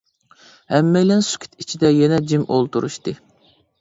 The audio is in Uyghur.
ھەممەيلەن سۈكۈت ئىچىدە يەنە جىم ئولتۇرۇشتى.